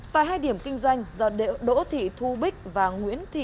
tại hai điểm kinh doanh do đỗ thị thu bích và nguyễn thị thu bích